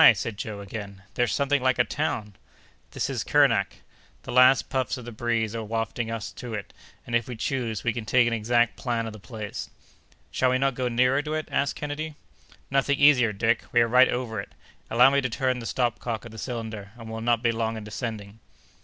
said Joe, again, "there's something like a town." "That is Kernak. The last puffs of the breeze are wafting us to it, and, if we choose, we can take an exact plan of the place." "Shall we not go nearer to it?" asked Kennedy. "Nothing easier, Dick! We are right over it. Allow me to turn the stopcock of the cylinder, and we'll not be long in descending."